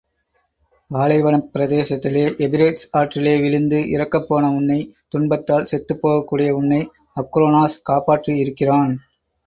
பாலைவனப் பிரதேசத்திலே எபிரேட்ஸ் ஆற்றிலே விழுந்து இறக்கப் போன உன்னை, துன்பத்தால் செத்துப்போகக்கூடிய உன்னை அக்ரோனோஸ் காப்பாற்றி இருக்கிறான்.